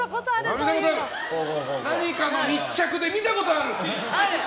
何かの密着で見たことある！